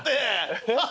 ハハハ！